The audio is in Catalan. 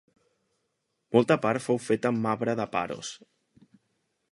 Molta part fou feta amb marbre de Paros.